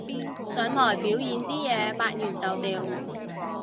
上台表演啲嘢抹完就掉